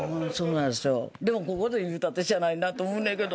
でもここで言うたってしゃあないなって思うねんけど。